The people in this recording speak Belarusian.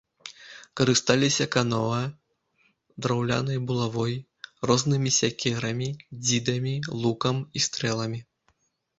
Карысталіся каноэ, драўлянай булавой, рознымі сякерамі, дзідамі, лукам і стрэламі.